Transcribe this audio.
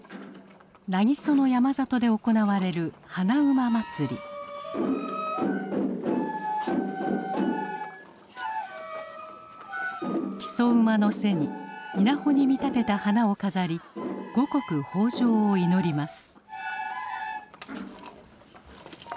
南木曽の山里で行われる木曽馬の背に稲穂に見立てた花を飾り五穀豊じょうを祈ります。